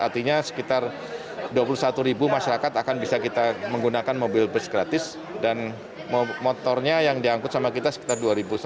artinya sekitar dua puluh satu ribu masyarakat akan bisa kita menggunakan mobil bus gratis dan motornya yang diangkut sama kita sekitar dua seratus